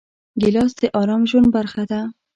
ګیلاس د ارام ژوند برخه ده.